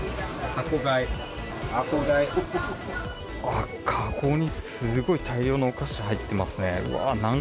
あっ、籠にすごい大量のお菓子入ってますね。